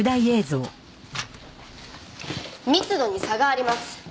密度に差があります。